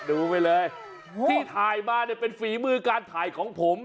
ดูไปเลยที่ถ่ายมาเนี่ยเป็นฝีมือการถ่ายของผม